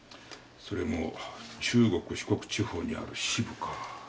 それも中国・四国地方にある支部か。